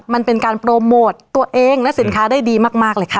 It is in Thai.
มันเป็นการโปรโมทตัวเองและสินค้าได้ดีมากเลยค่ะ